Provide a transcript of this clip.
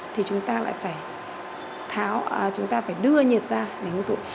thì chúng ta lại phải đưa nhiệt ra để ngưng tụ